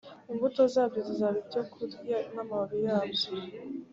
imbuto zabyo zizaba ibyokurya n amababi yabyo